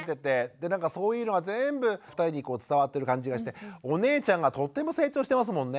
でそういうのが全部２人に伝わってる感じがしてお姉ちゃんがとても成長してますもんね。